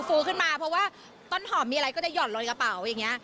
ขึ้นมาเพราะว่าต้นหอมมีอะไรก็จะห่อนลอยกระเป๋าอย่างนี้